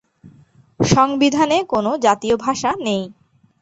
সংবিধানে কোনো জাতীয় ভাষা নেই।